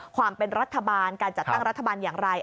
ความเป็นรัฐบาลการจัดตั้งรัฐบาลอย่างไร